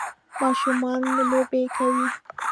ماشومان لوبې کوي